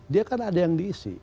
dia kan ada yang diisi